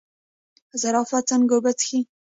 زرافه څنګه اوبه څښي؟